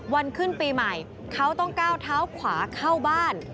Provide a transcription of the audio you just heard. วันขึ้นปีใหม่เขาต้องก้าวเท้าขวาเข้าบ้าน